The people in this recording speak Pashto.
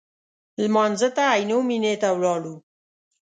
لمانځه ته عینومېنې ته ولاړو.